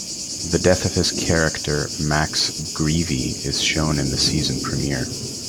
The death of his character Max Greevey is shown in the season premiere.